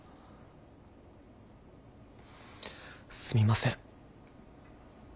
すみません。